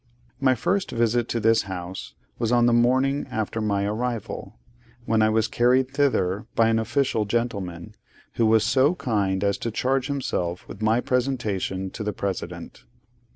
My first visit to this house was on the morning after my arrival, when I was carried thither by an official gentleman, who was so kind as to charge himself with my presentation to the President.